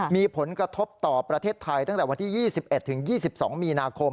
มีผลกระทบต่อประเทศไทยตั้งแต่วันที่๒๑๒๒มีนาคม